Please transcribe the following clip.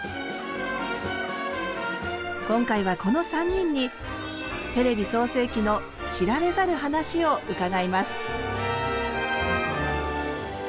今回はこの３人にテレビ創成期の知られざる話を伺います。